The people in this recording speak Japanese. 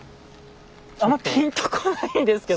あんまぴんとこないんですけど。